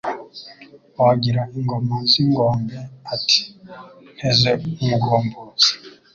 Wagira ingoma z'ingombe Ati : nteze umugombozi*.